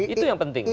itu yang penting